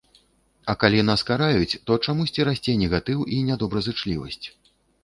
А калі нас караюць, то чамусьці расце негатыў і нядобразычлівасць.